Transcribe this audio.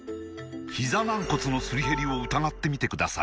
ひざ軟骨のすり減りを疑ってみてください